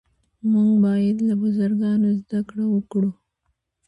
موږ باید له بزرګانو زده کړه وکړو.